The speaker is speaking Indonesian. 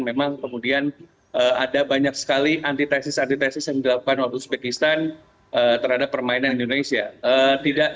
memang kemudian ada banyak sekali antitesis antitesis yang dilakukan oleh uzbekistan terhadap permainan indonesia tidak